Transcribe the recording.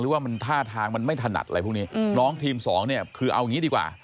ว่ามันท่าทางมันไม่ถนัดอะไรพวกนี้น้องทีมสองเนี่ยคือเอางี้ดีกว่า